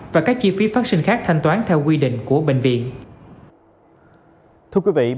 và các chi phí phát sinh khác thanh toán theo quy định của bệnh viện